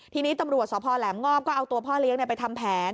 ทีนี้ตำรวจสพแหลมงอบก็เอาตัวพ่อเลี้ยงไปทำแผน